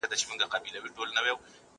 زه اوس درسونه لوستل کوم!.